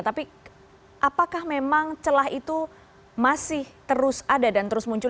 tapi apakah memang celah itu masih terus ada dan terus muncul